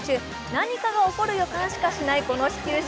何かが起こる予感しかしないこの始球式。